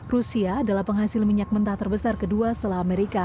rusia adalah penghasil minyak mentah terbesar kedua setelah amerika